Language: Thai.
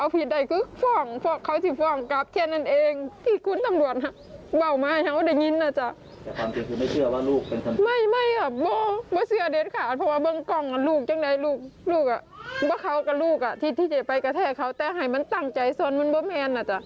พี่เจ๊ไปค้าแทะเขาแต่ให้มันตังใจสนมันนะจ๊ะ